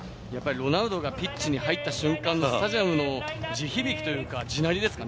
ロナウドがピッチに入った瞬間のスタジアムの地響きというか、地鳴りですか？